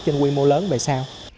trên quy mô lớn về sau